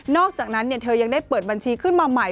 อกจากนั้นเธอยังได้เปิดบัญชีขึ้นมาใหม่